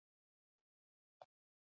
تاسو د افغانستان خلک نه پیژنئ.